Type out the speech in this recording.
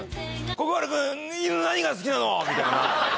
心君、何が好きなの？みたいな。